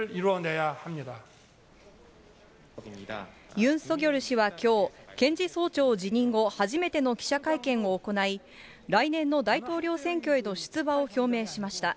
ユン・ソギョル氏はきょう、検事総長を辞任後初めての記者会見を行い、来年の大統領選挙への出馬を表明しました。